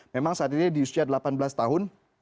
memang saat ini di usia delapan belas tahun